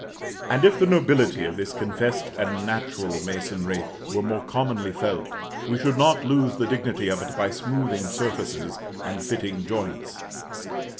And if the nobility of this confessed and natural masonry were more commonly felt, we should not lose the dignity of it by smoothing surfaces and fitting joints.